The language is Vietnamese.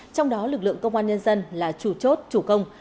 trong đó lực lượng công an nhân dân là chủ chốt chủ công